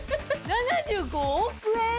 ７５億円！？